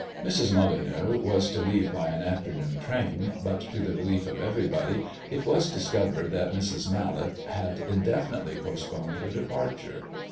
Mrs. Molyneux was to leave by an afternoon train, but, to the relief of everybody, it was discovered that Mrs. Mallet had indefinitely postponed her departure.